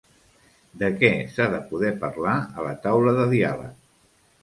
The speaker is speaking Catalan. De què s'ha de poder parlar a la taula de diàleg?